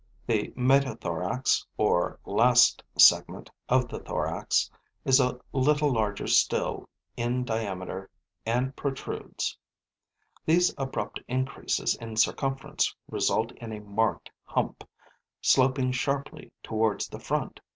The metathorax, or last segment of the thorax, is a little larger still in diameter and protrudes. These abrupt increases in circumference result in a marked hump, sloping sharply towards the front.